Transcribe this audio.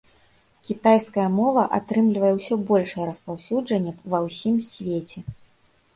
Кітайская мова атрымлівае ўсё большае распаўсюджанне ва ўсім свеце.